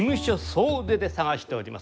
総出で探しております。